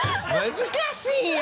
難しいよ！